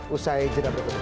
usai jenak berikutnya